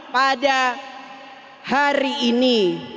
pada hari ini